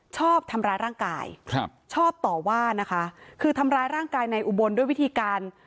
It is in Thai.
ชอบทำร้ายร่างกายครับชอบต่อว่านะคะคือทำร้ายร่างกายในอุบลด้วยวิธีการ